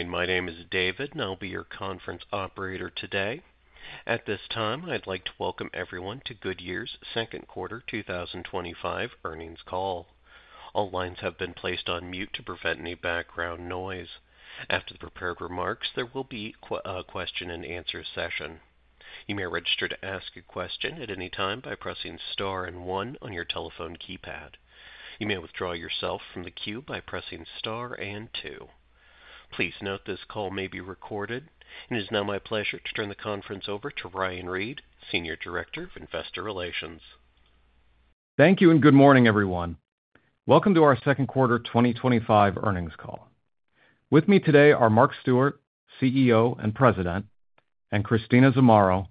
Good morning. My name is David, and I'll be your conference operator today. At this time, I'd like to welcome everyone to Goodyear's Second Quarter 2025 Earnings Call. All lines have been placed on mute to prevent any background noise. After the prepared remarks, there will be a question and answer session. You may register to ask a question at any time by pressing star and one on your telephone keypad. You may withdraw yourself from the queue by pressing star and two. Please note this call may be recorded. It is now my pleasure to turn the conference over to Ryan Reed, Senior Director of Investor Relations. Thank you and good morning, everyone. Welcome to our Second Quarter 2025 Earnings Call. With me today are Mark Stewart, CEO and President, and Christina Zamarro,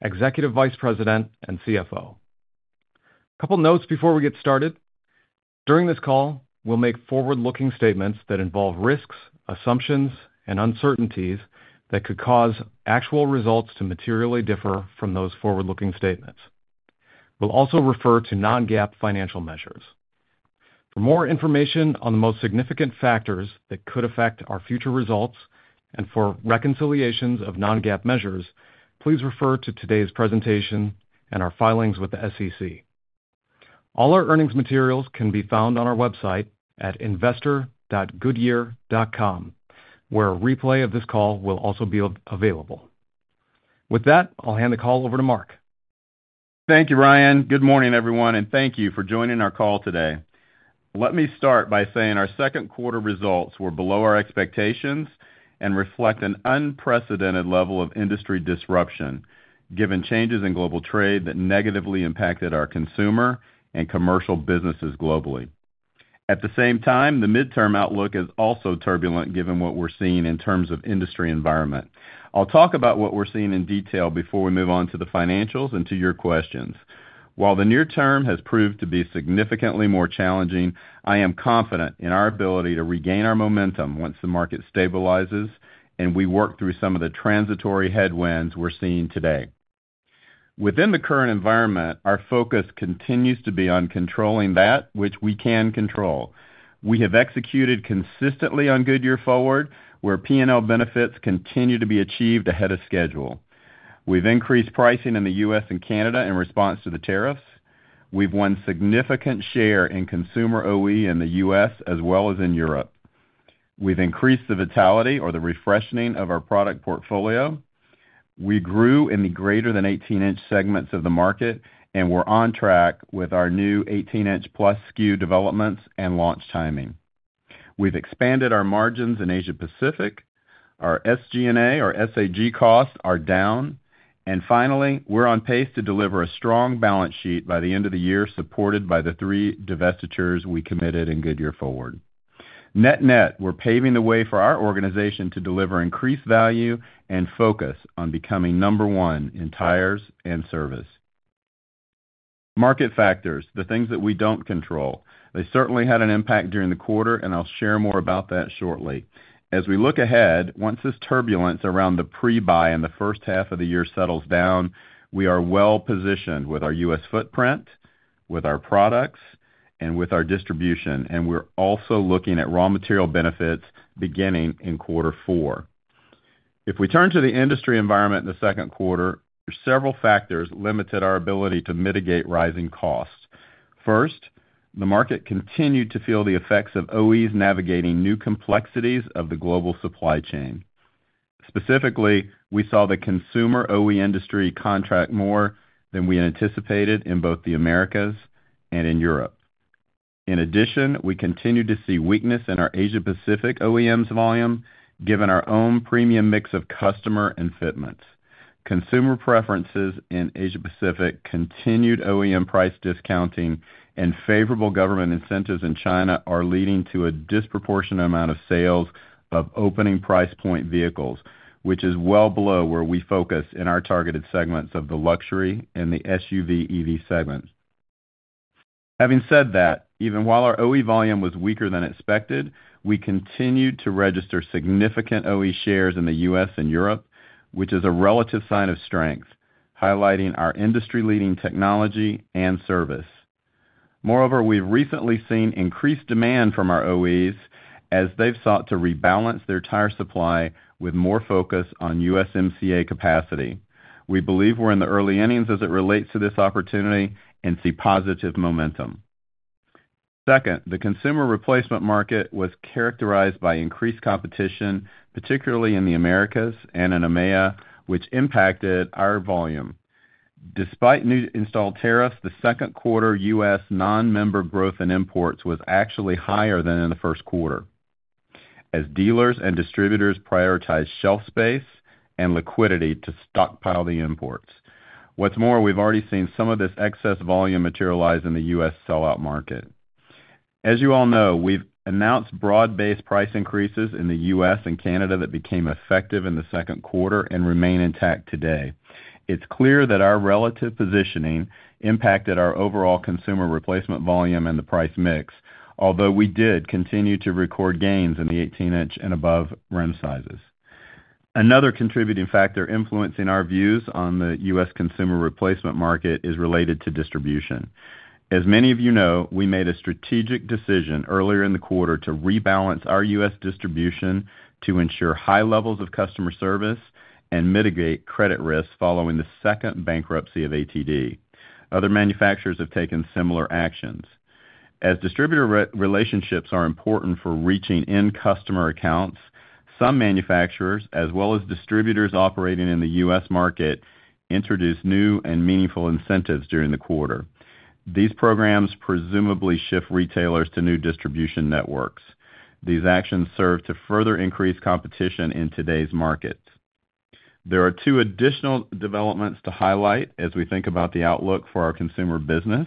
Executive Vice President and CFO. A couple of notes before we get started. During this call, we'll make forward-looking statements that involve risks, assumptions, and uncertainties that could cause actual results to materially differ from those forward-looking statements. We'll also refer to non-GAAP financial measures. For more information on the most significant factors that could affect our future results and for reconciliations of non-GAAP measures, please refer to today's presentation and our filings with the SEC. All our earnings materials can be found on our website at investor.goodyear.com, where a replay of this call will also be available. With that, I'll hand the call over to Mark. Thank you, Ryan. Good morning, everyone, and thank you for joining our call today. Let me start by saying our second quarter results were below our expectations and reflect an unprecedented level of industry disruption, given changes in global trade that negatively impacted our consumer and commercial businesses globally. At the same time, the midterm outlook is also turbulent given what we're seeing in terms of industry environment. I'll talk about what we're seeing in detail before we move on to the financials and to your questions. While the near term has proved to be significantly more challenging, I am confident in our ability to regain our momentum once the market stabilizes and we work through some of the transitory headwinds we're seeing today. Within the current environment, our focus continues to be on controlling that, which we can control. We have executed consistently on Goodyear Forward, where P&L benefits continue to be achieved ahead of schedule. We've increased pricing in the U.S. and Canada in response to the tariffs. We've won a significant share in consumer OE in the U.S. as well as in Europe. We've increased the vitality or the refreshing of our product portfolio. We grew in the greater than 18 in segments of the market and we're on track with our new 18+ in SKU developments and launch timing. We've expanded our margins in Asia-Pacific. Our SG&A or SAG costs are down. Finally, we're on pace to deliver a strong balance sheet by the end of the year, supported by the three divestitures we committed in Goodyear Forward. Net-net, we're paving the way for our organization to deliver increased value and focus on becoming number one in tires and service. Market factors, the things that we don't control, they certainly had an impact during the quarter, and I'll share more about that shortly. As we look ahead, once this turbulence around the pre-buy in the first half of the year settles down, we are well positioned with our U.S. footprint, with our products, and with our distribution. We're also looking at raw material benefits beginning in quarter four. If we turn to the industry environment in the second quarter, several factors limited our ability to mitigate rising costs. First, the market continued to feel the effects of OEs navigating new complexities of the global supply chain. Specifically, we saw the consumer OE industry contract more than we anticipated in both the Americas and in Europe. In addition, we continue to see weakness in our Asia-Pacific OEMs volume, given our own premium mix of customer and fitments. Consumer preferences in Asia-Pacific, continued OEM price discounting, and favorable government incentives in China are leading to a disproportionate amount of sales of opening price point vehicles, which is well below where we focus in our targeted segments of the luxury and the SUV EV segment. Having said that, even while our OE volume was weaker than expected, we continued to register significant OE shares in the U.S. and Europe, which is a relative sign of strength, highlighting our industry-leading technology and service. Moreover, we've recently seen increased demand from our OEs as they've sought to rebalance their tire supply with more focus on USMCA capacity. We believe we're in the early innings as it relates to this opportunity and see positive momentum. Second, the consumer replacement market was characterized by increased competition, particularly in the Americas and in EMEA, which impacted our volume. Despite new installed tariffs, the second quarter U.S. non-member growth in imports was actually higher than in the first quarter, as dealers and distributors prioritize shelf space and liquidity to stockpile the imports. What's more, we've already seen some of this excess volume materialize in the U.S. sellout market. As you all know, we've announced broad-based price increases in the U.S. and Canada that became effective in the second quarter and remain intact today. It's clear that our relative positioning impacted our overall consumer replacement volume and the price mix, although we did continue to record gains in the 18 in and above rim sizes. Another contributing factor influencing our views on the U.S. consumer replacement market is related to distribution. As many of you know, we made a strategic decision earlier in the quarter to rebalance our U.S. distribution to ensure high levels of customer service and mitigate credit risks following the second bankruptcy of ATD. Other manufacturers have taken similar actions. As distributor relationships are important for reaching end customer accounts, some manufacturers, as well as distributors operating in the U.S. market, introduced new and meaningful incentives during the quarter. These programs presumably shift retailers to new distribution networks. These actions serve to further increase competition in today's market. There are two additional developments to highlight as we think about the outlook for our consumer business.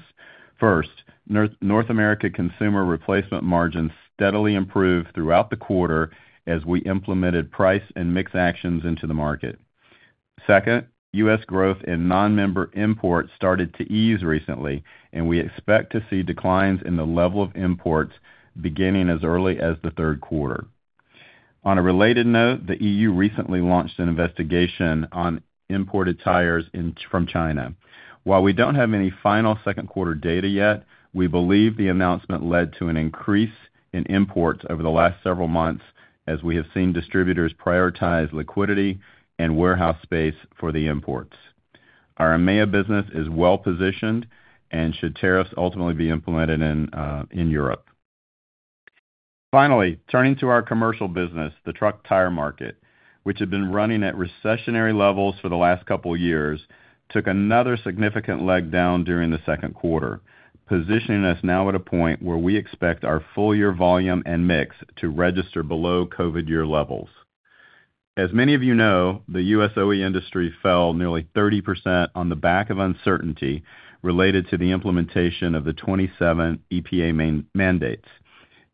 First, North America consumer replacement margins steadily improved throughout the quarter as we implemented price and mix actions into the market. Second, U.S. growth in non-member imports started to ease recently, and we expect to see declines in the level of imports beginning as early as the third quarter. On a related note, the E.U. recently launched an investigation on imported tires from China. While we don't have any final second quarter data yet, we believe the announcement led to an increase in imports over the last several months, as we have seen distributors prioritize liquidity and warehouse space for the imports. Our EMEA business is well positioned and should tariffs ultimately be implemented in Europe. Finally, turning to our commercial business, the truck tire market, which had been running at recessionary levels for the last couple of years, took another significant leg down during the second quarter, positioning us now at a point where we expect our full-year volume and mix to register below COVID year levels. As many of you know, the U.S. OE industry fell nearly 30% on the back of uncertainty related to the implementation of the 2027 EPA mandates.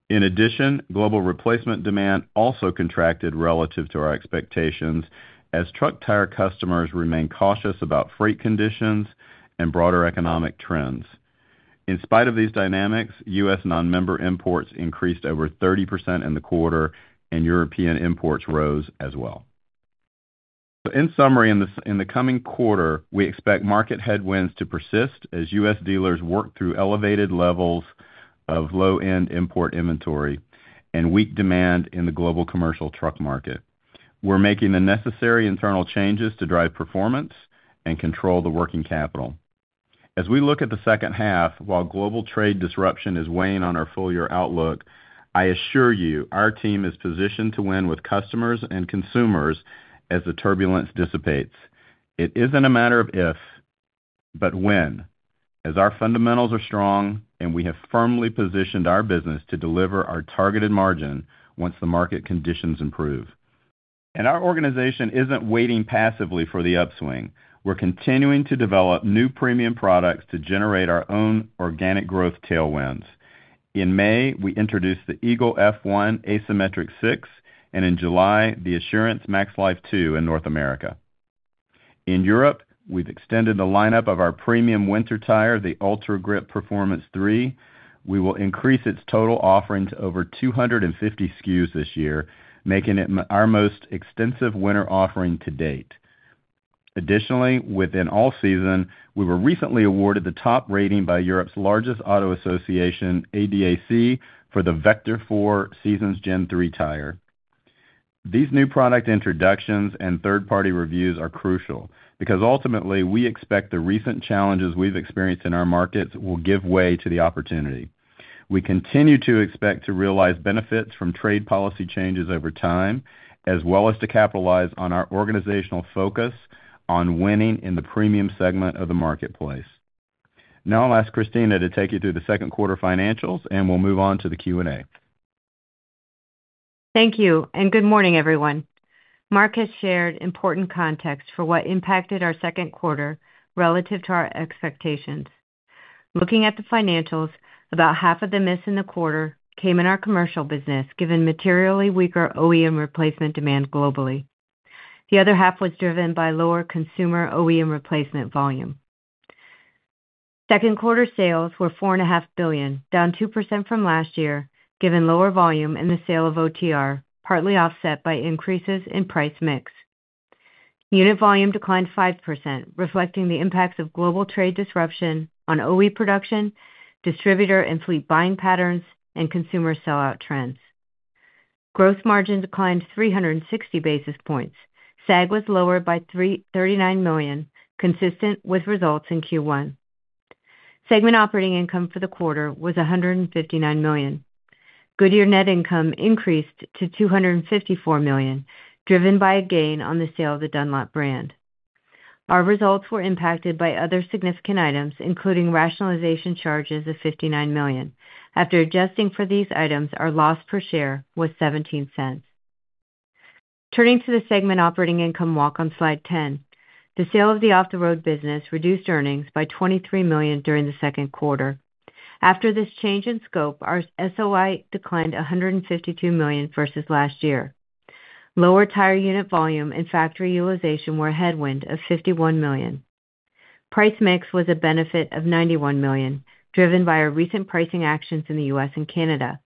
In addition, global replacement demand also contracted relative to our expectations as truck tire customers remain cautious about freight conditions and broader economic trends. In spite of these dynamics, U.S. non-member imports increased over 30% in the quarter, and European imports rose as well. In summary, in the coming quarter, we expect market headwinds to persist as U.S. dealers work through elevated levels of low-end import inventory and weak demand in the global commercial truck market. We're making the necessary internal changes to drive performance and control the working capital. As we look at the second half, while global trade disruption is weighing on our full-year outlook, I assure you our team is positioned to win with customers and consumers as the turbulence dissipates. It isn't a matter of if, but when, as our fundamentals are strong and we have firmly positioned our business to deliver our targeted margin once the market conditions improve. Our organization isn't waiting passively for the upswing. We're continuing to develop new premium products to generate our own organic growth tailwinds. In May, we introduced the Eagle F1 Asymmetric 6, and in July, the Assurance MaxLife 2 in North America. In Europe, we've extended the lineup of our premium winter tire, the Ultra Grip Performance 3. We will increase its total offering to over 250 SKUs this year, making it our most extensive winter offering to date. Additionally, within all season, we were recently awarded the top rating by Europe's largest auto association, ADAC, for the Vector 4Seasons Gen-3 tire. These new product introductions and third-party reviews are crucial because ultimately we expect the recent challenges we've experienced in our markets will give way to the opportunity. We continue to expect to realize benefits from trade policy changes over time, as well as to capitalize on our organizational focus on winning in the premium segment of the marketplace. Now I'll ask Christina to take you through the second quarter financials, and we'll move on to the Q&A. Thank you, and good morning, everyone. Mark has shared important context for what impacted our second quarter relative to our expectations. Looking at the financials, about half of the miss in the quarter came in our commercial business, given materially weaker OEM replacement demand globally. The other half was driven by lower consumer OEM replacement volume. Second quarter sales were $4.5 billion, down 2% from last year, given lower volume in the sale of OTR, partly offset by increases in price mix. Unit volume declined 5%, reflecting the impacts of global trade disruption on OE production, distributor and fleet buying patterns, and consumer sellout trends. Gross margin declined 360 basis points. SAG was lowered by $39 million, consistent with results in Q1. Segment operating income for the quarter was $159 million. Goodyear net income increased to $254 million, driven by a gain on the sale of the Dunlop brand. Our results were impacted by other significant items, including rationalization charges of $59 million. After adjusting for these items, our loss per share was $0.17. Turning to the segment operating income walk on slide 10, the sale of the Off-the-Road business reduced earnings by $23 million during the second quarter. After this change in scope, our SOI declined $152 million versus last year. Lower tire unit volume and factory utilization were a headwind of $51 million. Price mix was a benefit of $91 million, driven by our recent pricing actions in the U.S. and Canada.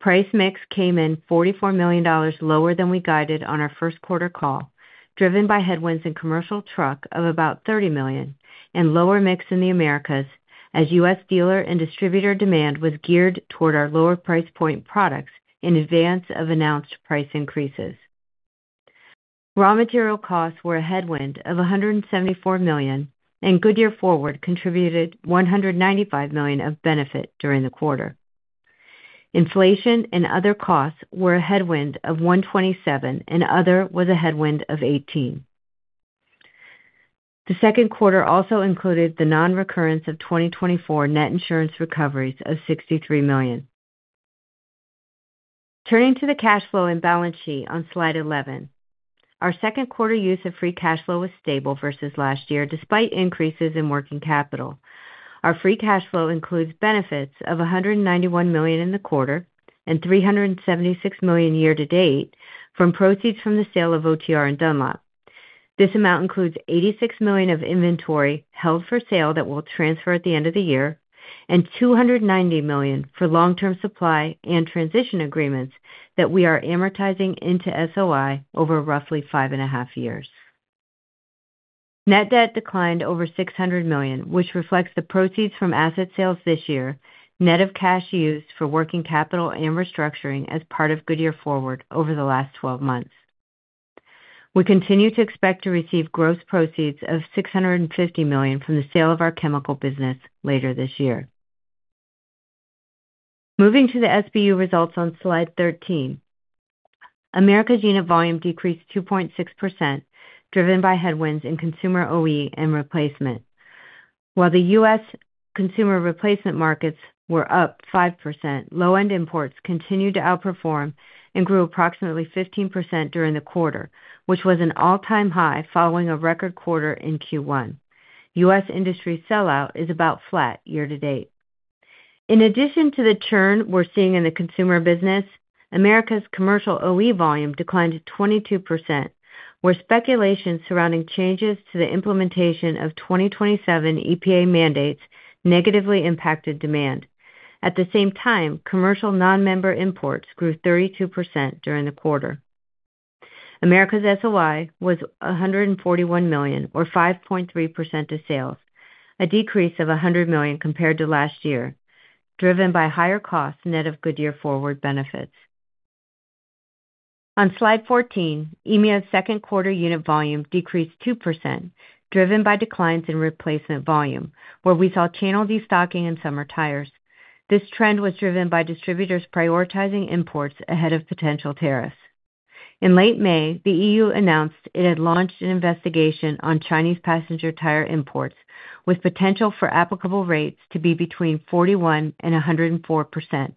Price mix came in $44 million lower than we guided on our first quarter call, driven by headwinds in commercial truck of about $30 million and lower mix in the Americas, as U.S. dealer and distributor demand was geared toward our lower price point products in advance of announced price increases. Raw material costs were a headwind of $174 million, and Goodyear Forward contributed $195 million of benefit during the quarter. Inflation and other costs were a headwind of $127 million, and other was a headwind of $18 million. The second quarter also included the non-recurrence of 2024 net insurance recoveries of $63 million. Turning to the cash flow and balance sheet on slide 11, our second quarter use of free cash flow was stable versus last year, despite increases in working capital. Our free cash flow includes benefits of $191 million in the quarter and $376 million year to date from proceeds from the sale of OTR and Dunlop. This amount includes $86 million of inventory held for sale that we'll transfer at the end of the year and $290 million for long-term supply and transition agreements that we are amortizing into SOI over roughly five and a half years. Net debt declined over $600 million, which reflects the proceeds from asset sales this year, net of cash used for working capital and restructuring as part of Goodyear Forward over the last 12 months. We continue to expect to receive gross proceeds of $650 million from the sale of our chemical business later this year. Moving to the SBU results on slide 13, America's unit volume decreased 2.6%, driven by headwinds in consumer OE and replacement. While the U.S. consumer replacement markets were up 5%, low-end imports continued to outperform and grew approximately 15% during the quarter, which was an all-time high following a record quarter in Q1. U.S. industry sellout is about flat year to date. In addition to the churn we're seeing in the consumer business, America's commercial OE volume declined 22%, where speculation surrounding changes to the implementation of 2027 EPA mandates negatively impacted demand. At the same time, commercial non-member imports grew 32% during the quarter. America's SOI was $141 million, or 5.3% to sales, a decrease of $100 million compared to last year, driven by higher costs net of Goodyear Forward benefits. On slide 14, EMEA's second quarter unit volume decreased 2%, driven by declines in replacement volume, where we saw channel destocking in summer tires. This trend was driven by distributors prioritizing imports ahead of potential tariffs. In late May, the E.U. announced it had launched an investigation on Chinese passenger tire imports, with potential for applicable rates to be between 41% and 104%.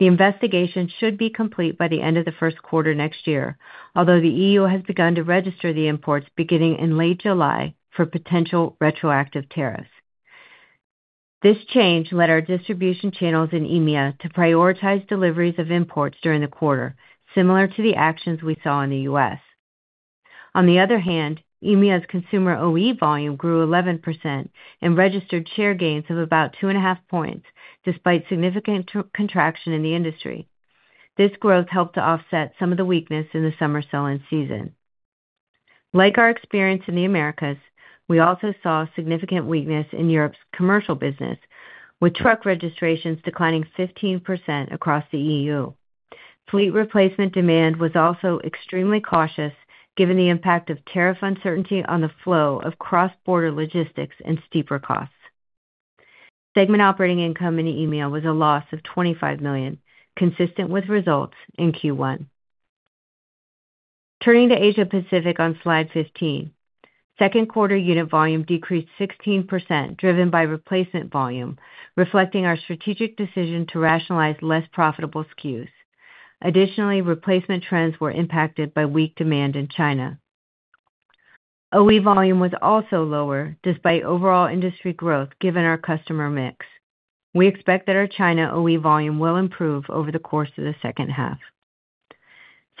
The investigation should be complete by the end of the first quarter next year, although the E.U. has begun to register the imports beginning in late July for potential retroactive tariffs. This change led our distribution channels in EMEA to prioritize deliveries of imports during the quarter, similar to the actions we saw in the U.S. On the other hand, EMEA's consumer OE volume grew 11% and registered share gains of about two and a half points, despite significant contraction in the industry. This growth helped to offset some of the weakness in the summer sell-in season. Like our experience in the Americas, we also saw significant weakness in Europe's commercial business, with truck registrations declining 15% across the E.U. Fleet replacement demand was also extremely cautious, given the impact of tariff uncertainty on the flow of cross-border logistics and steeper costs. Segment operating income in EMEA was a loss of $25 million, consistent with results in Q1. Turning to Asia-Pacific on slide 15, second quarter unit volume decreased 16%, driven by replacement volume, reflecting our strategic decision to rationalize less profitable SKUs. Additionally, replacement trends were impacted by weak demand in China. OE volume was also lower, despite overall industry growth, given our customer mix. We expect that our China OE volume will improve over the course of the second half.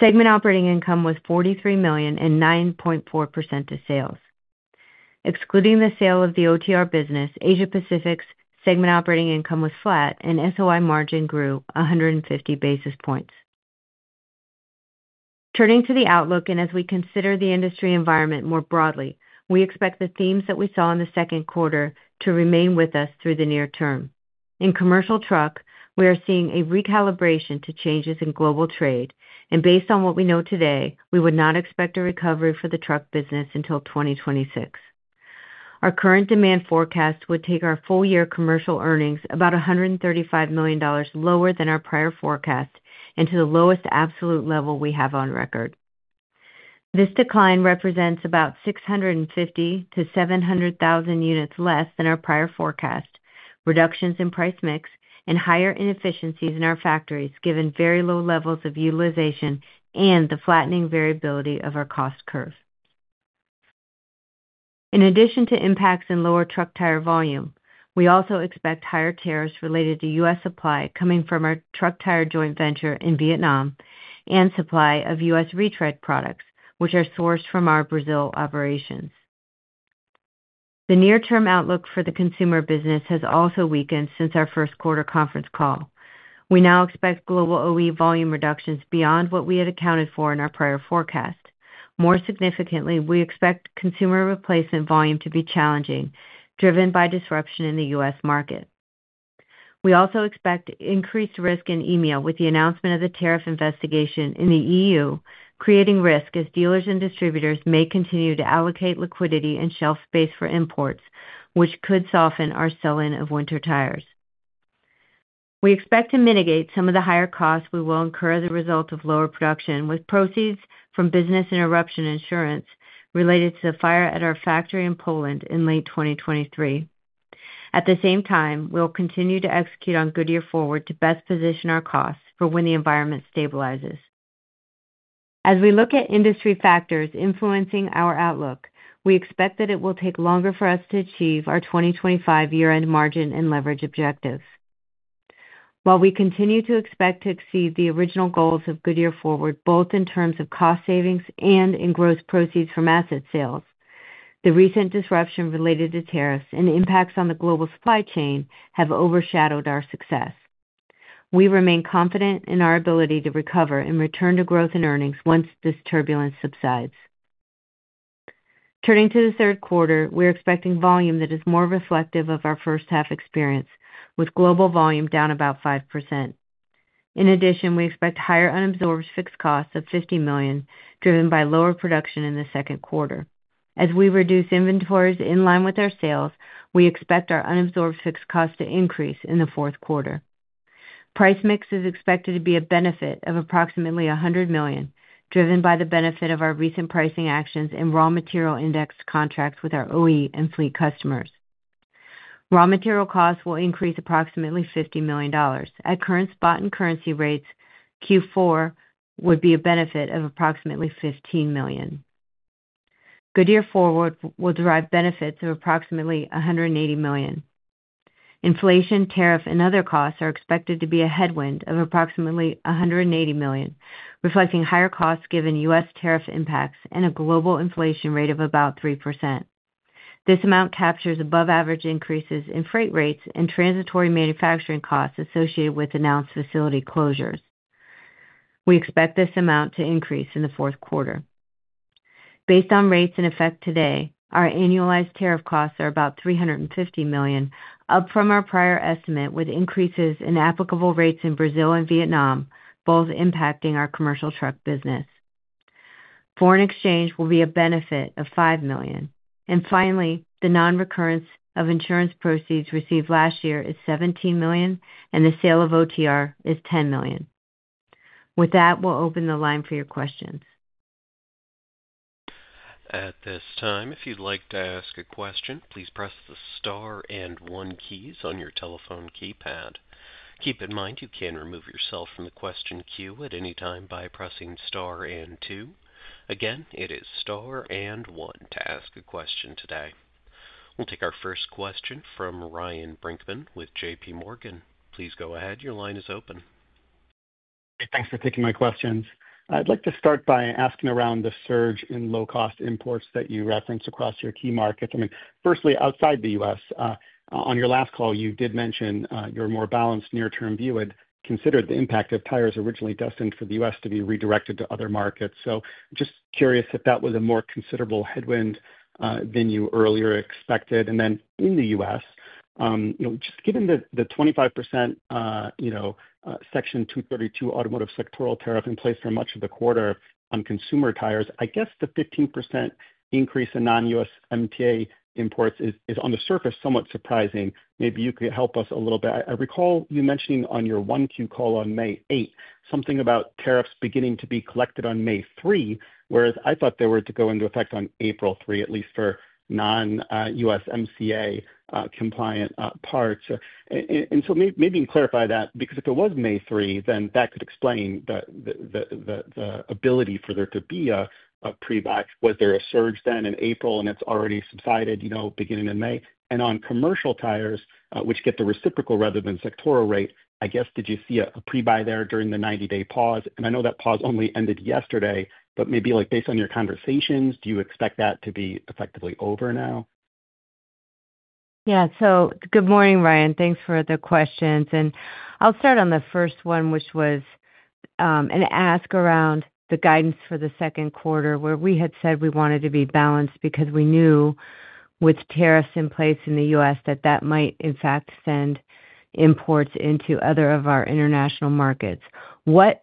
Segment operating income was $43 million and 9.4% to sales. Excluding the sale of the OTR business, Asia-Pacific's segment operating income was flat, and SOI margin grew 150 basis points. Turning to the outlook, and as we consider the industry environment more broadly, we expect the themes that we saw in the second quarter to remain with us through the near term. In commercial truck, we are seeing a recalibration to changes in global trade, and based on what we know today, we would not expect a recovery for the truck business until 2026. Our current demand forecast would take our full-year commercial earnings about $135 million lower than our prior forecast and to the lowest absolute level we have on record. This decline represents about 650,000-700,000 units less than our prior forecast, reductions in price mix, and higher inefficiencies in our factories, given very low levels of utilization and the flattening variability of our cost curve. In addition to impacts in lower truck tire volume, we also expect higher tariffs related to U.S. supply coming from our truck tire joint venture in Vietnam and supply of U.S. retread products, which are sourced from our Brazil operations. The near-term outlook for the consumer business has also weakened since our first quarter conference call. We now expect global OE volume reductions beyond what we had accounted for in our prior forecast. More significantly, we expect consumer replacement volume to be challenging, driven by disruption in the U.S. market. We also expect increased risk in EMEA with the announcement of the tariff investigation in the E.U., creating risk as dealers and distributors may continue to allocate liquidity and shelf space for imports, which could soften our sell-in of winter tires. We expect to mitigate some of the higher costs we will incur as a result of lower production with proceeds from business interruption insurance related to the fire at our factory in Poland in late 2023. At the same time, we'll continue to execute on Goodyear Forward to best position our costs for when the environment stabilizes. As we look at industry factors influencing our outlook, we expect that it will take longer for us to achieve our 2025 year-end margin and leverage objectives. While we continue to expect to exceed the original goals of Goodyear Forward, both in terms of cost savings and in gross proceeds from asset sales, the recent disruption related to tariffs and impacts on the global supply chain have overshadowed our success. We remain confident in our ability to recover and return to growth in earnings once this turbulence subsides. Turning to the third quarter, we are expecting volume that is more reflective of our first half experience, with global volume down about 5%. In addition, we expect higher unabsorbed fixed costs of $50 million, driven by lower production in the second quarter. As we reduce inventories in line with our sales, we expect our unabsorbed fixed costs to increase in the fourth quarter. Price mix is expected to be a benefit of approximately $100 million, driven by the benefit of our recent pricing actions and raw material indexed contracts with our OE and fleet customers. Raw material costs will increase approximately $50 million. At current spot and currency rates, Q4 would be a benefit of approximately $15 million. Goodyear Forward will derive benefits of approximately $180 million. Inflation, tariff, and other costs are expected to be a headwind of approximately $180 million, reflecting higher costs given U.S. tariff impacts and a global inflation rate of about 3%. This amount captures above-average increases in freight rates and transitory manufacturing costs associated with announced facility closures. We expect this amount to increase in the fourth quarter. Based on rates in effect today, our annualized tariff costs are about $350 million, up from our prior estimate with increases in applicable rates in Brazil and Vietnam, both impacting our commercial truck business. Foreign exchange will be a benefit of $5 million. Finally, the non-recurrence of insurance proceeds received last year is $17 million, and the sale of OTR is $10 million. With that, we'll open the line for your questions. At this time, if you'd like to ask a question, please press the star and one keys on your telephone keypad. Keep in mind you can remove yourself from the question queue at any time by pressing star and two. Again, it is star and one to ask a question today. We'll take our first question from Ryan Brinkman with JPMorgan. Please go ahead, your line is open. Thanks for taking my questions. I'd like to start by asking around the surge in low-cost imports that you referenced across your key markets. Firstly, outside the U.S., on your last call, you did mention your more balanced near-term view and considered the impact of tires originally destined for the U.S. to be redirected to other markets. I'm just curious if that was a more considerable headwind than you earlier expected. In the U.S., just given the 25% Section 232 automotive sectoral tariff in place for much of the quarter on consumer tires, I guess the 15% increase in non-USMCA imports is on the surface somewhat surprising. Maybe you could help us a little bit. I recall you mentioning on your Q1 call on May 8 something about tariffs beginning to be collected on May 3, whereas I thought they were to go into effect on April 3, at least for non-USMCA compliant parts. Maybe you can clarify that because if it was May 3, then that could explain the ability for there to be a pre-buy. Was there a surge then in April and it's already subsided beginning in May? On commercial tires, which get the reciprocal rather than sectoral rate, did you see a pre-buy there during the 90-day pause? I know that pause only ended yesterday, but maybe based on your conversations, do you expect that to be effectively over now? Good morning, Ryan. Thanks for the questions. I'll start on the first one, which was an ask around the guidance for the second quarter, where we had said we wanted to be balanced because we knew with tariffs in place in the U.S. that might, in fact, send imports into other of our international markets. What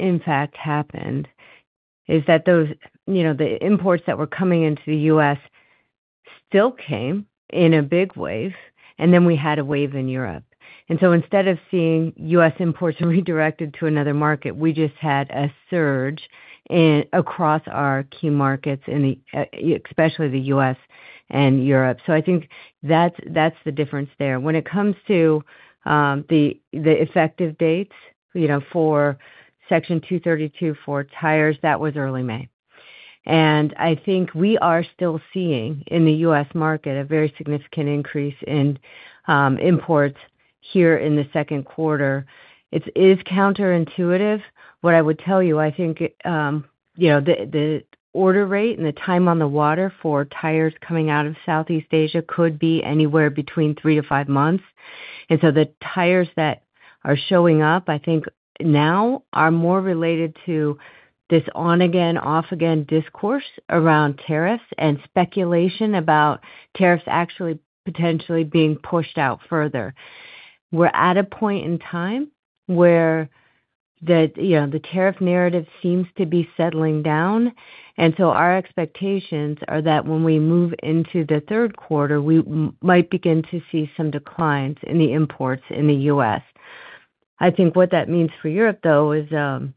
happened is that the imports that were coming into the U.S. still came in a big wave, and then we had a wave in Europe. Instead of seeing U.S. imports redirected to another market, we just had a surge across our key markets, especially the U.S. and Europe. I think that's the difference there. When it comes to the effective dates for Section 232 for tires, that was early May. I think we are still seeing in the U.S. market a very significant increase in imports here in the second quarter. It is counterintuitive. What I would tell you, I think the order rate and the time on the water for tires coming out of Southeast Asia could be anywhere between three to five months. The tires that are showing up now are more related to this on-again, off-again discourse around tariffs and speculation about tariffs actually potentially being pushed out further. We're at a point in time where the tariff narrative seems to be settling down. Our expectations are that when we move into the third quarter, we might begin to see some declines in the imports in the U.S. I think what that means for Europe is the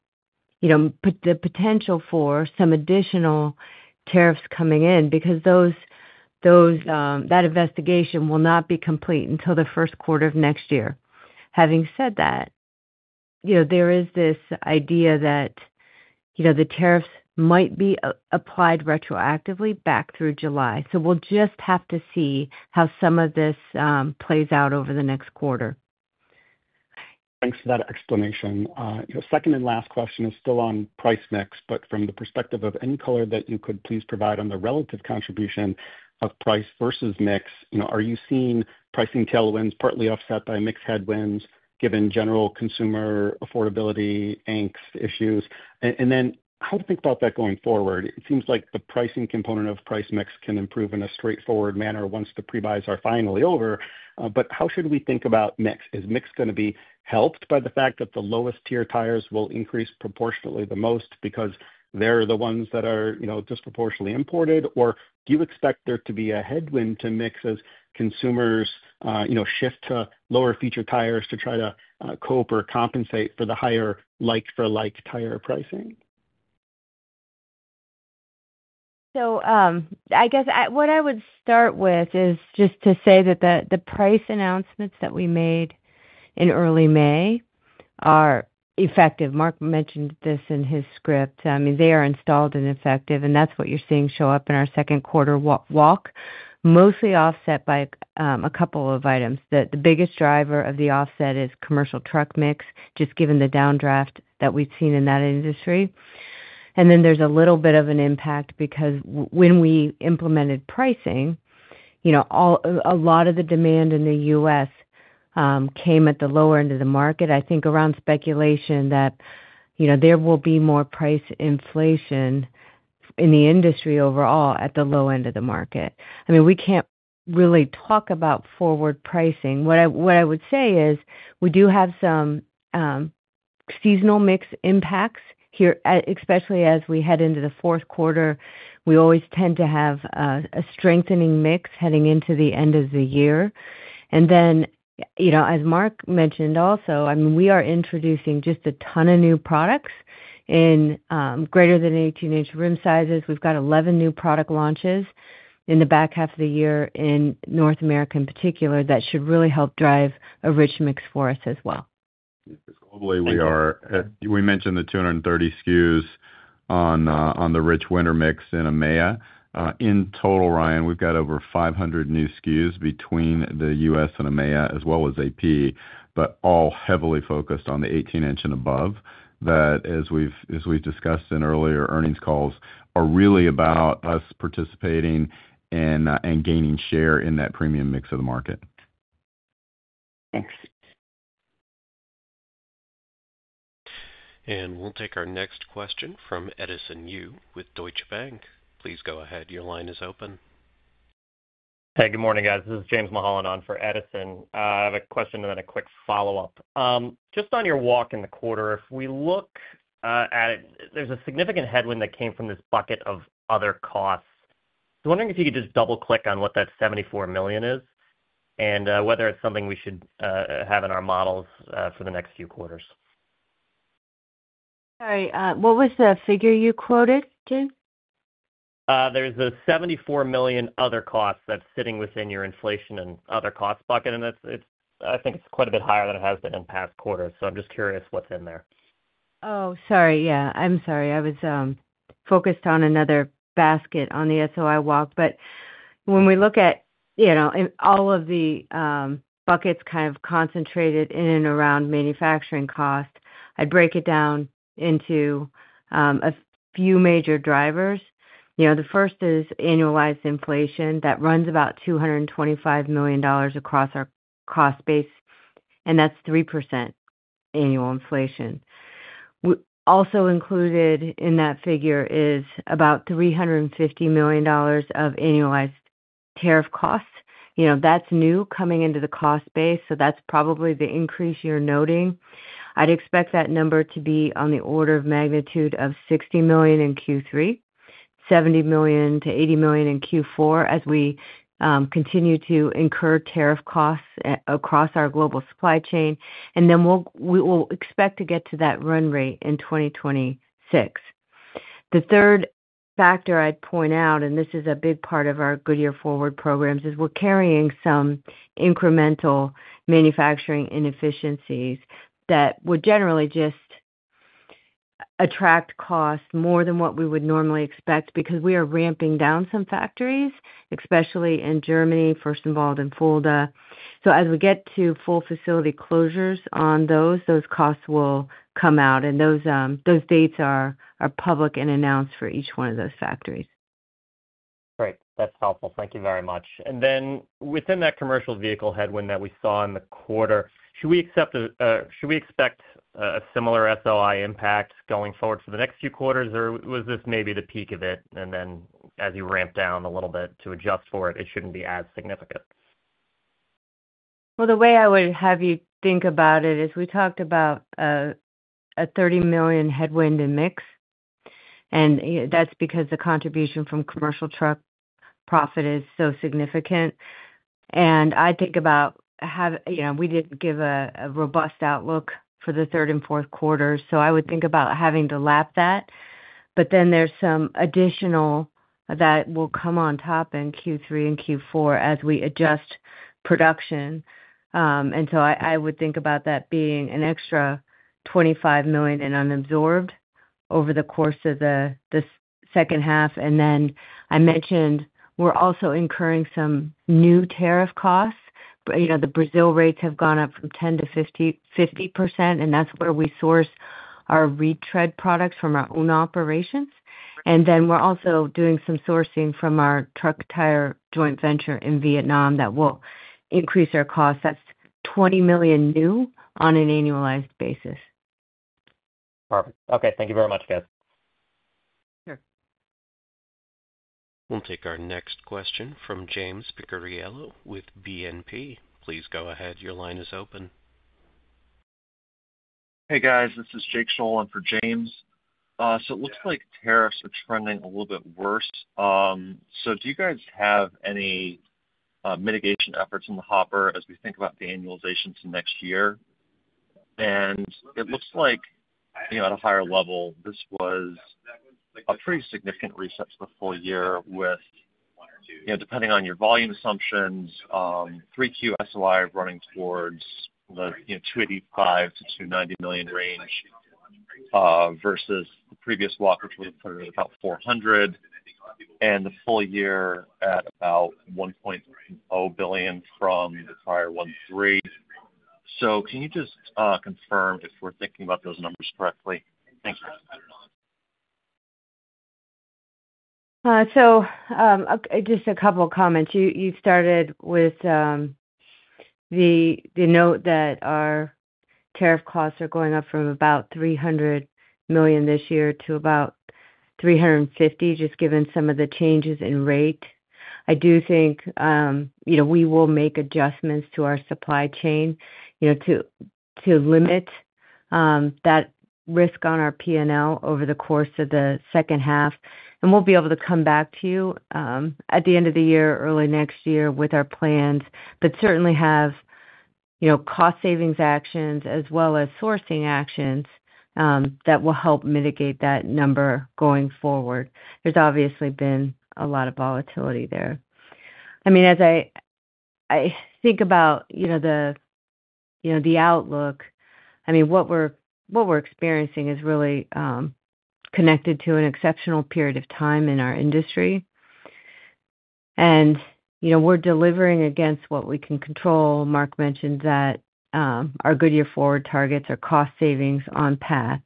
potential for some additional tariffs coming in because that investigation will not be complete until the first quarter of next year. Having said that, there is this idea that the tariffs might be applied retroactively back through July. We'll just have to see how some of this plays out over the next quarter. Thanks for that explanation. Your second and last question is still on price mix, but from the perspective of any color that you could please provide on the relative contribution of price versus mix. Are you seeing pricing tailwinds partly offset by mix headwinds given general consumer affordability angst issues? How to think about that going forward? It seems like the pricing component of price mix can improve in a straightforward manner once the pre-buys are finally over. How should we think about mix? Is mix going to be helped by the fact that the lowest tier tires will increase proportionately the most because they're the ones that are disproportionately imported? Do you expect there to be a headwind to mix as consumers shift to lower feature tires to try to cope or compensate for the higher like-for-like tire pricing? I guess what I would start with is just to say that the price announcements that we made in early May are effective. Mark mentioned this in his script. I mean, they are installed and effective, and that's what you're seeing show up in our second quarter walk, mostly offset by a couple of items. The biggest driver of the offset is commercial truck mix, just given the downdraft that we've seen in that industry. There's a little bit of an impact because when we implemented pricing, a lot of the demand in the U.S. came at the lower end of the market. I think around speculation that there will be more price inflation in the industry overall at the low end of the market. We can't really talk about forward pricing. What I would say is we do have some seasonal mix impacts here, especially as we head into the fourth quarter. We always tend to have a strengthening mix heading into the end of the year. As Mark mentioned also, we are introducing just a ton of new products in greater than 18 in rim sizes. We've got 11 new product launches in the back half of the year in North America in particular that should really help drive a rich mix for us as well. Globally, we mentioned the 230 SKUs on the rich winter mix in EMEA. In total, Ryan, we've got over 500 new SKUs between the U.S. and EMEA, as well as AP, but all heavily focused on the 18 in and above. That, as we've discussed in earlier earnings calls, are really about us participating and gaining share in that premium mix of the market. Thanks. We will take our next question from Edison Yu with Deutsche Bank. Please go ahead, your line is open. Hey, good morning guys, this is James Mulholland on for Edison. I have a question and then a quick follow-up. Just on your walk in the quarter, if we look at it, there's a significant headwind that came from this bucket of other costs. I was wondering if you could just double-click on what that $74 million is and whether it's something we should have in our models for the next few quarters. Sorry, what was the figure you quoted, James? There's a $74 million other cost that's sitting within your inflation and other costs bucket, and I think it's quite a bit higher than it has been in past quarters. I'm just curious what's in there. Oh, sorry, yeah, I'm sorry, I was focused on another basket on the SOI walk. When we look at all of the buckets kind of concentrated in and around manufacturing cost, I'd break it down into a few major drivers. The first is annualized inflation that runs about $225 million across our cost base, and that's 3% annual inflation. Also included in that figure is about $350 million of annualized tariff costs. That's new coming into the cost base, so that's probably the increase you're noting. I'd expect that number to be on the order of magnitude of $60 million in Q3, $70 million-$80 million in Q4 as we continue to incur tariff costs across our global supply chain. We will expect to get to that run rate in 2026. The third factor I'd point out, and this is a big part of our Goodyear Forward programs, is we're carrying some incremental manufacturing inefficiencies that would generally just attract costs more than what we would normally expect because we are ramping down some factories, especially in Germany, first involved in Fulda. As we get to full facility closures on those, those costs will come out, and those dates are public and announced for each one of those factories. Great, that's helpful. Thank you very much. Within that commercial vehicle headwind that we saw in the quarter, should we expect a similar SOI impact going forward for the next few quarters, or was this maybe the peak of it, and as you ramp down a little bit to adjust for it, it shouldn't be as significant? The way I would have you think about it is we talked about a $30 million headwind in mix, and that's because the contribution from commercial truck profit is so significant. I think about having, you know, we didn't give a robust outlook for the third and fourth quarters, so I would think about having to lap that. There is some additional that will come on top in Q3 and Q4 as we adjust production. I would think about that being an extra $25 million in unabsorbed over the course of the second half. I mentioned we're also incurring some new tariff costs. The Brazil rates have gone up from 10% to 50%, and that's where we source our retread products from our own operations. We're also doing some sourcing from our truck tire joint venture in Vietnam that will increase our costs. That's $20 million new on an annualized basis. Perfect. Okay, thank you very much, guys. Sure. We'll take our next question from James Picariello with BNP. Please go ahead, your line is open. Hey guys, this is Jake Scholl on for James. It looks like tariffs are trending a little bit worse. Do you guys have any mitigation efforts in the hopper as we think about the annualization to next year? It looks like, at a higher level, this was a pretty significant reset to the full year with, depending on your volume assumptions, Q3 SOI running towards the $285 million-$290 million range versus the previous walk before the quarter at about $400 million and the full year at about $1.30 billion from the prior $1.3 billion. Can you just confirm if we're thinking about those numbers correctly? Just a couple of comments. You started with the note that our tariff costs are going up from about $300 million this year to about $350 million, just given some of the changes in rate. I do think we will make adjustments to our supply chain to limit that risk on our P&L over the course of the second half. We'll be able to come back to you at the end of the year, early next year with our plans, but certainly have cost savings actions as well as sourcing actions that will help mitigate that number going forward. There's obviously been a lot of volatility there. As I think about the outlook, what we're experiencing is really connected to an exceptional period of time in our industry. We're delivering against what we can control. Mark mentioned that our Goodyear Forward targets are cost savings on path.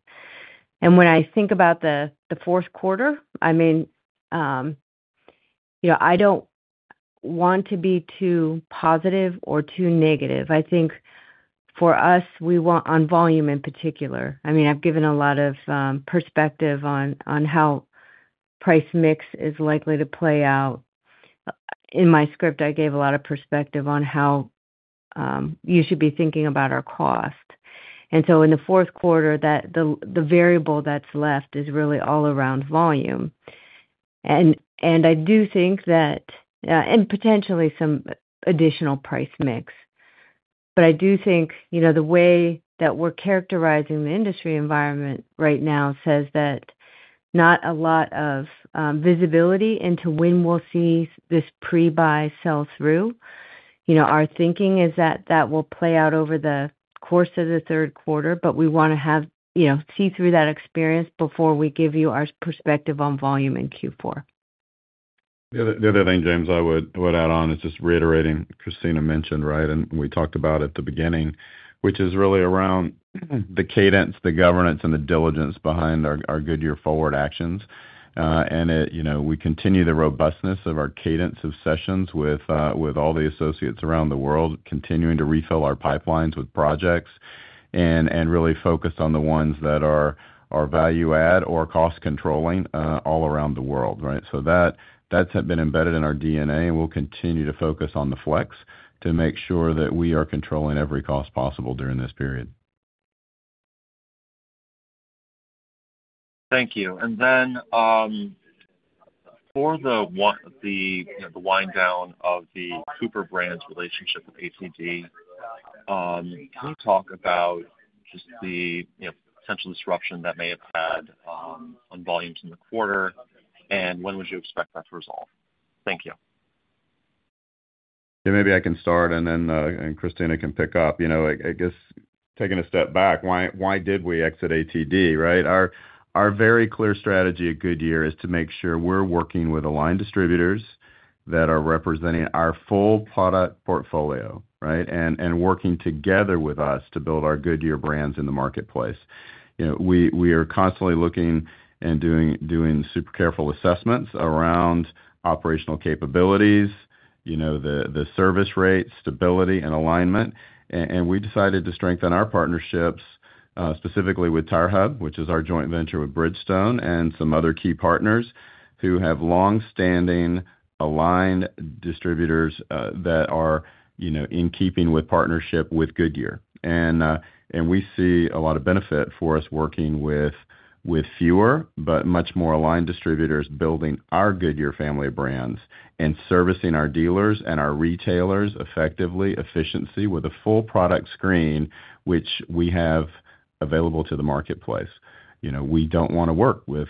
When I think about the fourth quarter, I don't want to be too positive or too negative. I think for us, we want on volume in particular. I've given a lot of perspective on how price mix is likely to play out. In my script, I gave a lot of perspective on how you should be thinking about our cost. In the fourth quarter, the variable that's left is really all around volume. I do think that, and potentially some additional price mix. I do think the way that we're characterizing the industry environment right now says that not a lot of visibility into when we'll see this pre-buy sell through. Our thinking is that will play out over the course of the third quarter, but we want to see through that experience before we give you our perspective on volume in Q4. The other thing, James, I would add on is just reiterating Christina mentioned, right, and we talked about at the beginning, which is really around the cadence, the governance, and the diligence behind our Goodyear Forward actions. We continue the robustness of our cadence of sessions with all the associates around the world, continuing to refill our pipelines with projects and really focused on the ones that are value-add or cost-controlling all around the world, right? That's been embedded in our DNA, and we'll continue to focus on the flex to make sure that we are controlling every cost possible during this period. Thank you. For the wind down of the super brand's relationship with ATD, can you talk about just the potential disruption that may have had on volumes in the quarter, and when would you expect that to resolve? Thank you. Yeah, maybe I can start and then Christina can pick up. I guess taking a step back, why did we exit ATD, right? Our very clear strategy at Goodyear is to make sure we're working with aligned distributors that are representing our full product portfolio, right? Working together with us to build our Goodyear brands in the marketplace. We are constantly looking and doing super careful assessments around operational capabilities, the service rates, stability, and alignment. We decided to strengthen our partnerships specifically with TireHub, which is our joint venture with Bridgestone, and some other key partners who have longstanding aligned distributors that are in keeping with partnership with Goodyear. We see a lot of benefit for us working with fewer, but much more aligned distributors building our Goodyear family of brands and servicing our dealers and our retailers effectively, efficiently, with a full product screen, which we have available to the marketplace. We don't want to work with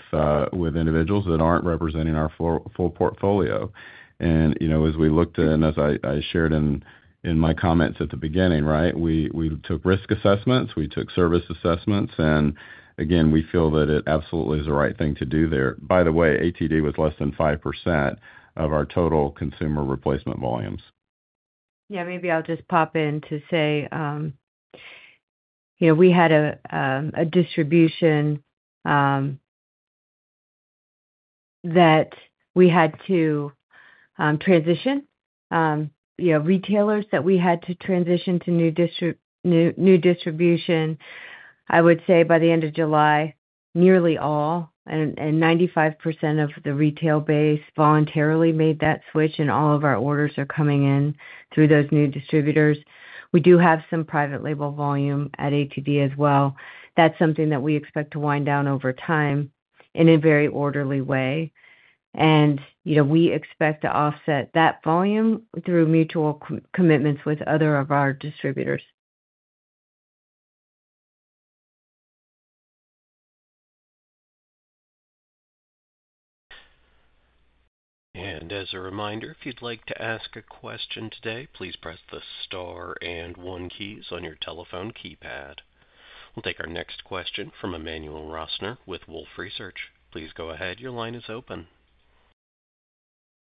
individuals that aren't representing our full portfolio. As we looked and as I shared in my comments at the beginning, we took risk assessments, we took service assessments, and again, we feel that it absolutely is the right thing to do there. By the way, ATD was less than 5% of our total consumer replacement volumes. Maybe I'll just pop in to say, you know, we had a distribution that we had to transition, retailers that we had to transition to new distribution. I would say by the end of July, nearly all and 95% of the retail base voluntarily made that switch, and all of our orders are coming in through those new distributors. We do have some private label volume at ATD as well. That's something that we expect to wind down over time in a very orderly way. We expect to offset that volume through mutual commitments with other of our distributors. As a reminder, if you'd like to ask a question today, please press the star and one keys on your telephone keypad. We'll take our next question from Emmanuel Rosner with Wolfe Research. Please go ahead, your line is open.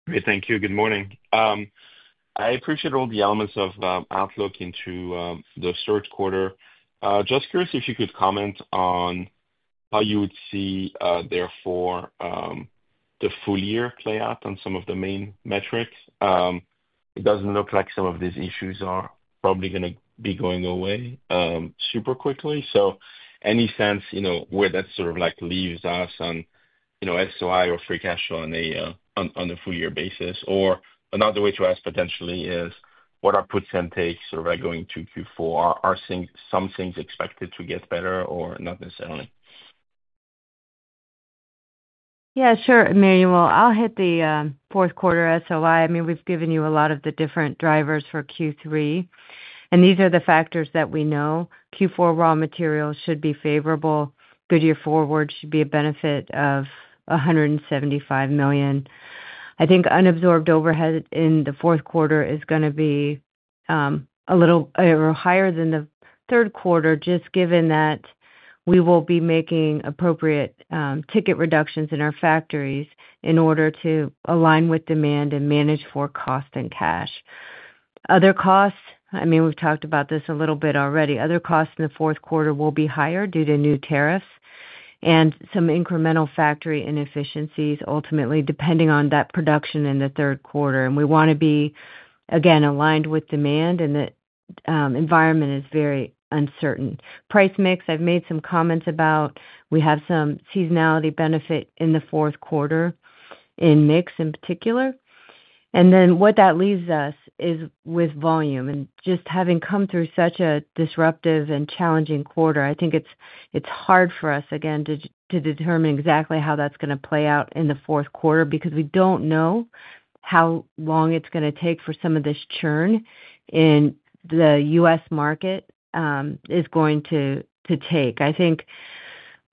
Great, thank you. Good morning. I appreciate all the elements of outlook into the third quarter. Just curious if you could comment on how you would see therefore the full year play out on some of the main metrics. It doesn't look like some of these issues are probably going to be going away super quickly. Any sense, you know, where that sort of like leaves us on, you know, SOI or free cash flow on a full year basis? Another way to ask potentially is what our puts and takes sort of like going to Q4? Are some things expected to get better or not necessarily? Yeah, sure Emmanuel, I'll hit the fourth quarter SOI. We've given you a lot of the different drivers for Q3, and these are the factors that we know. Q4 raw materials should be favorable. Goodyear Forward should be a benefit of $175 million. I think unabsorbed overhead in the fourth quarter is going to be a little higher than the third quarter, just given that we will be making appropriate ticket reductions in our factories in order to align with demand and manage for cost and cash. Other costs, we've talked about this a little bit already. Other costs in the fourth quarter will be higher due to new tariffs and some incremental factory inefficiencies ultimately depending on that production in the third quarter. We want to be, again, aligned with demand and the environment is very uncertain. Price mix, I've made some comments about we have some seasonality benefit in the fourth quarter in mix in particular. What that leaves us is with volume. Just having come through such a disruptive and challenging quarter, I think it's hard for us, again, to determine exactly how that's going to play out in the fourth quarter because we don't know how long it's going to take for some of this churn in the U.S. market is going to take. I think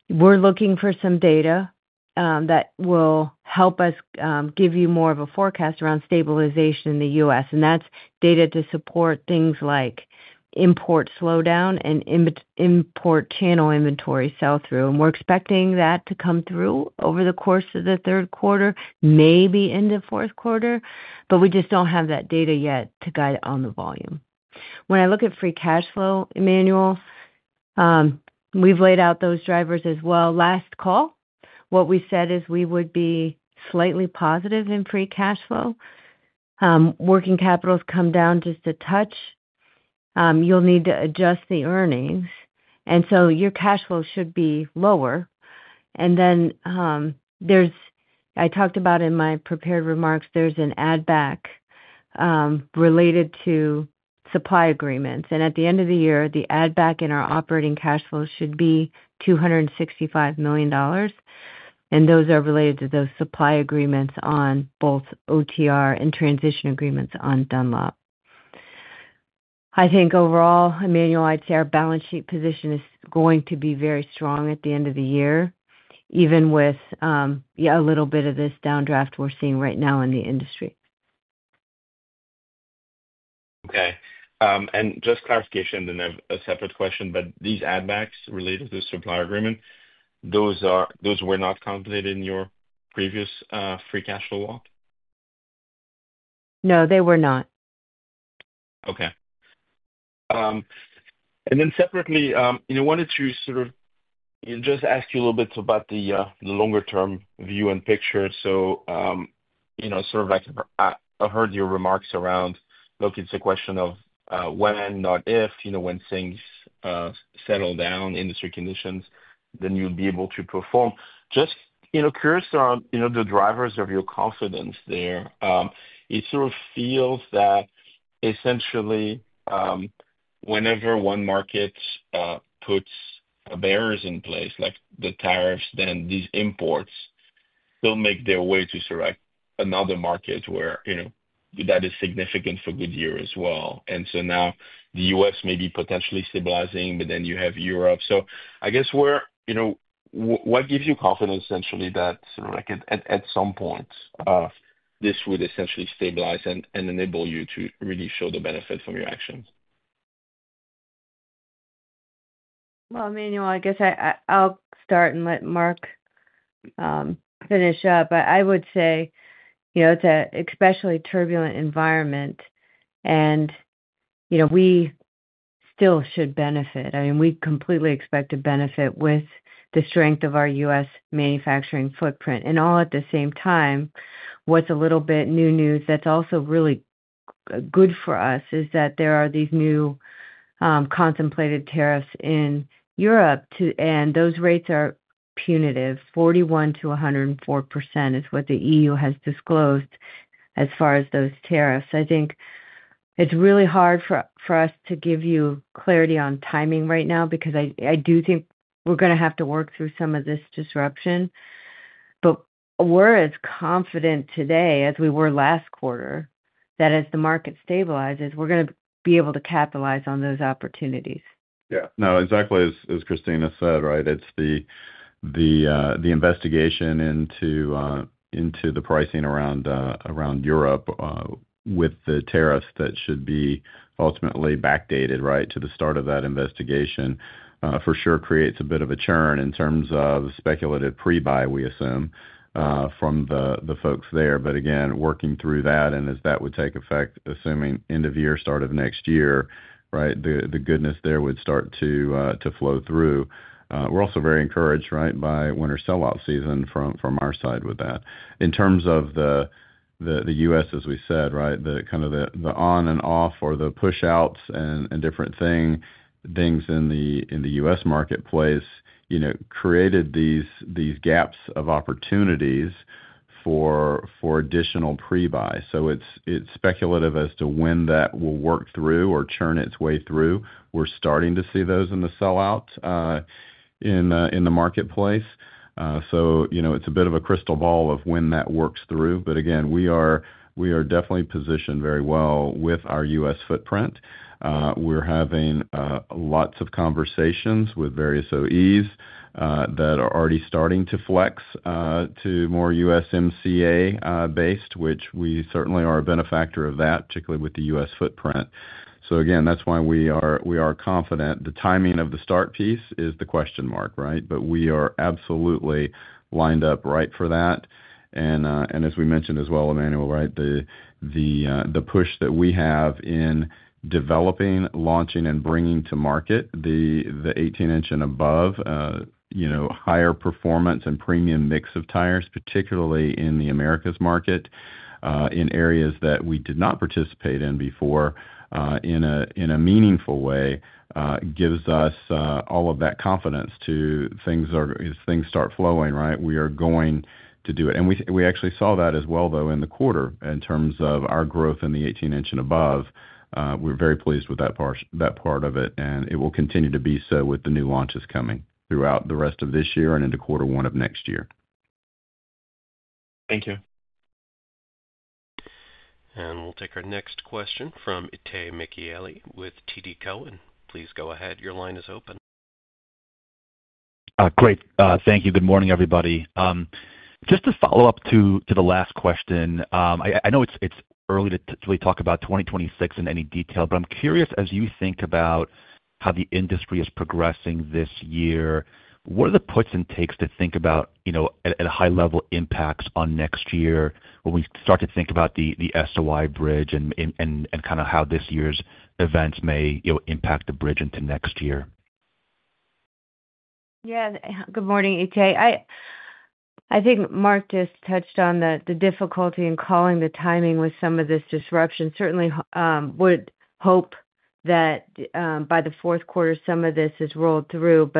we're looking for some data that will help us give you more of a forecast around stabilization in the U.S. That's data to support things like import slowdown and import channel inventory sell through. We're expecting that to come through over the course of the third quarter, maybe into the fourth quarter, but we just don't have that data yet to guide on the volume. When I look at free cash flow, Emmanuel, we've laid out those drivers as well. Last call, what we said is we would be slightly positive in free cash flow. Working capital has come down just a touch. You'll need to adjust the earnings, and so your cash flow should be lower. I talked about in my prepared remarks, there's an add-back related to supply agreements. At the end of the year, the add-back in our operating cash flow should be $265 million. Those are related to those supply agreements on both OTR and transition agreements on Dunlop. I think overall, Emmanuel, I'd say our balance sheet position is going to be very strong at the end of the year, even with, yeah, a little bit of this downdraft we're seeing right now in the industry. Okay. Just clarification, and then a separate question, but these add-backs related to the supply agreement, those were not counted in your previous free cash flow walk? No, they were not. Okay. Separately, I wanted to just ask you a little bit about the longer-term view and picture. I heard your remarks around, look, it's a question of when, not if, when things settle down, industry conditions, then you'll be able to perform. Just curious around the drivers of your confidence there. It feels that essentially whenever one market puts barriers in place, like the tariffs, these imports will make their way to another market where that is significant for Goodyear as well. Now the U.S. may be potentially stabilizing, but you have Europe. What gives you confidence that at some point this would stabilize and enable you to really show the benefit from your actions? Emmanuel, I guess I'll start and let Mark finish up. I would say, you know, it's an especially turbulent environment. You know, we still should benefit. I mean, we completely expect a benefit with the strength of our U.S. manufacturing footprint. All at the same time, what's a little bit new news that's also really good for us is that there are these new contemplated tariffs in Europe, and those rates are punitive. 41% to 104% is what the E.U. has disclosed as far as those tariffs. I think it's really hard for us to give you clarity on timing right now because I do think we're going to have to work through some of this disruption. We're as confident today as we were last quarter that as the market stabilizes, we're going to be able to capitalize on those opportunities. No, exactly as Christina said, right? It's the investigation into the pricing around Europe with the tariffs that should be ultimately backdated, right, to the start of that investigation. For sure, creates a bit of a churn in terms of speculative pre-buy, we assume, from the folks there. Again, working through that and as that would take effect, assuming end of year, start of next year, the goodness there would start to flow through. We're also very encouraged by winter sell-out season from our side with that. In terms of the U.S., as we said, the kind of the on and off or the push-outs and different things in the U.S. marketplace created these gaps of opportunities for additional pre-buy. It's speculative as to when that will work through or churn its way through. We're starting to see those in the sell-out in the marketplace. It's a bit of a crystal ball of when that works through. Again, we are definitely positioned very well with our U.S. footprint. We're having lots of conversations with various OEs that are already starting to flex to more USMCA-based, which we certainly are a benefactor of that, particularly with the U.S. footprint. That's why we are confident. The timing of the start piece is the question mark, right? We are absolutely lined up right for that. As we mentioned as well, Emmanuel, the push that we have in developing, launching, and bringing to market the 18 in and above, higher performance and premium mix of tires, particularly in the Americas market, in areas that we did not participate in before in a meaningful way, gives us all of that confidence to things start flowing, right? We are going to do it. We actually saw that as well, though, in the quarter in terms of our growth in the 18 in and above. We're very pleased with that part of it. It will continue to be so with the new launches coming throughout the rest of this year and into quarter one of next year. Thank you. We will take our next question from Itay Michaeli with TD Cowen. Please go ahead, your line is open. Great, thank you. Good morning, everybody. Just to follow up to the last question, I know it's early to really talk about 2026 in any detail, but I'm curious as you think about how the industry is progressing this year, what are the puts and takes to think about, you know, at a high level, impacts on next year when we start to think about the SOI bridge and kind of how this year's events may, you know, impact the bridge into next year? Yeah, good morning, Itay. I think Mark just touched on the difficulty in calling the timing with some of this disruption. Certainly, I would hope that by the fourth quarter, some of this is rolled through.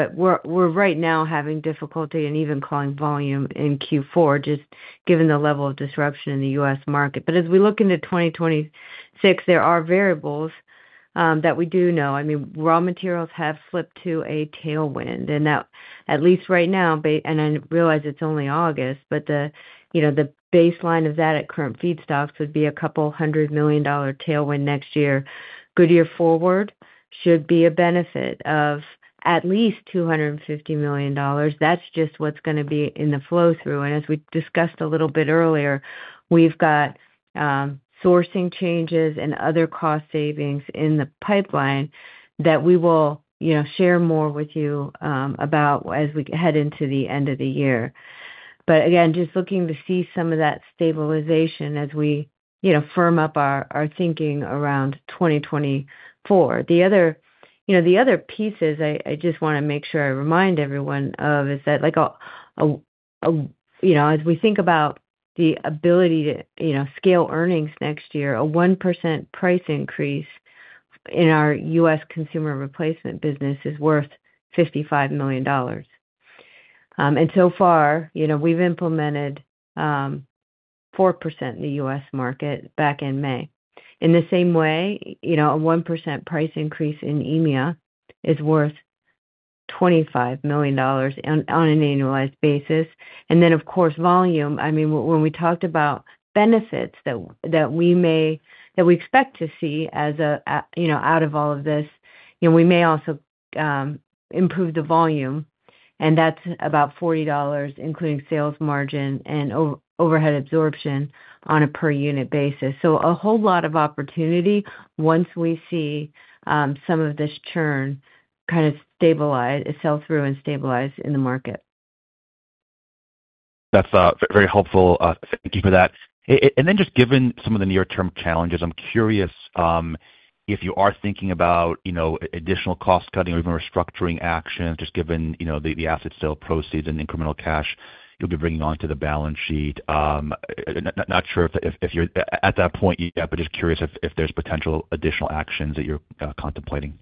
Right now, we're having difficulty in even calling volume in Q4, just given the level of disruption in the U.S. market. As we look into 2026, there are variables that we do know. I mean, raw materials have slipped to a tailwind. At least right now, and I realize it's only August, but the baseline of that at current feedstocks would be a couple hundred million dollar tailwind next year. Goodyear Forward should be a benefit of at least $250 million. That's just what's going to be in the flow-through. As we discussed a little bit earlier, we've got sourcing changes and other cost savings in the pipeline that we will share more with you about as we head into the end of the year. Again, just looking to see some of that stabilization as we firm up our thinking around 2024. The other pieces I just want to make sure I remind everyone of is that as we think about the ability to scale earnings next year, a 1% price increase in our U.S. consumer replacement business is worth $55 million. So far, we've implemented 4% in the U.S. market back in May. In the same way, a 1% price increase in EMEA is worth $25 million on an annualized basis. Of course, volume. When we talked about benefits that we may, that we expect to see out of all of this, we may also improve the volume. That's about $40, including sales margin and overhead absorption on a per unit basis. A whole lot of opportunity once we see some of this churn kind of stabilize, sell through, and stabilize in the market. That's very helpful. Thank you for that. Given some of the near-term challenges, I'm curious if you are thinking about additional cost cutting or even restructuring actions, just given the asset sale proceeds and incremental cash you'll be bringing onto the balance sheet. Not sure if you're at that point yet, but just curious if there's potential additional actions that you're contemplating.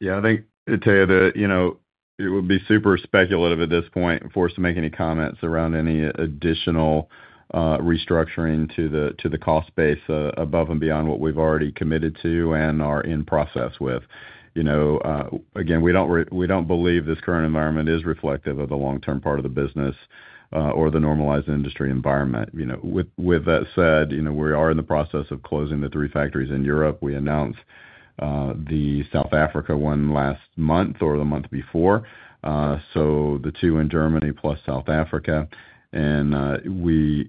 Yeah, I think, Itay, that it would be super speculative at this point for us to make any comments around any additional restructuring to the cost base above and beyond what we've already committed to and are in process with. We don't believe this current environment is reflective of the long-term part of the business or the normalized industry environment. With that said, we are in the process of closing the three factories in Europe. We announced the South Africa one last month or the month before, so the two in Germany plus South Africa. We're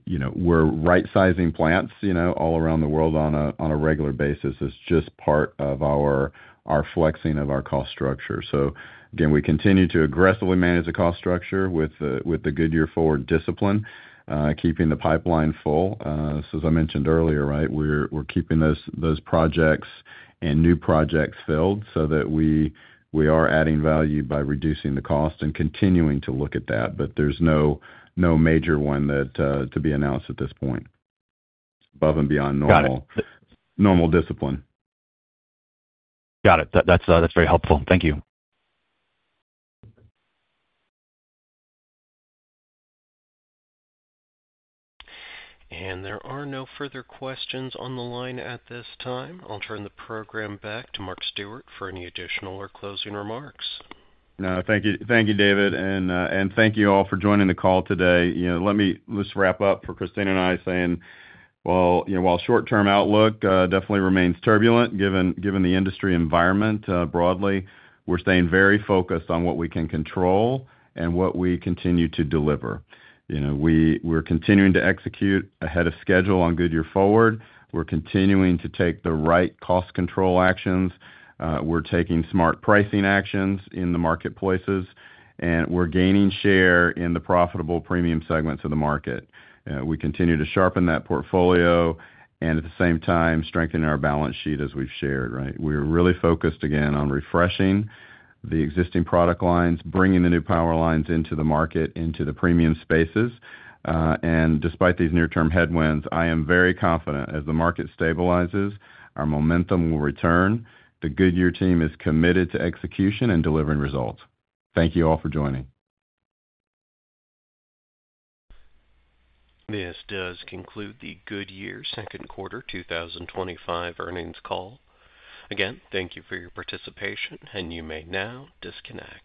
right-sizing plants all around the world on a regular basis. It's just part of our flexing of our cost structure. We continue to aggressively manage the cost structure with the Goodyear Forward discipline, keeping the pipeline full. As I mentioned earlier, we're keeping those projects and new projects filled so that we are adding value by reducing the cost and continuing to look at that. There's no major one to be announced at this point above and beyond normal discipline. Got it. That's very helpful. Thank you. There are no further questions on the line at this time. I'll turn the program back to Mark Stewart for any additional or closing remarks. No, thank you. Thank you, David. Thank you all for joining the call today. Let me just wrap up for Christina and I by saying, while the short-term outlook definitely remains turbulent, given the industry environment broadly, we're staying very focused on what we can control and what we continue to deliver. We're continuing to execute ahead of schedule on Goodyear Forward. We're continuing to take the right cost control actions. We're taking smart pricing actions in the marketplaces, and we're gaining share in the profitable premium segments of the market. We continue to sharpen that portfolio and at the same time strengthen our balance sheet as we've shared, right? We're really focused again on refreshing the existing product lines, bringing the new power lines into the market, into the premium spaces. Despite these near-term headwinds, I am very confident as the market stabilizes, our momentum will return. The Goodyear team is committed to execution and delivering results. Thank you all for joining. This does conclude the Goodyear Second Quarter 2025 Earnings Call. Again, thank you for your participation, and you may now disconnect.